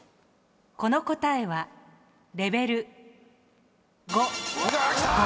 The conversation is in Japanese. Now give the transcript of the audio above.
この答えはレベル５。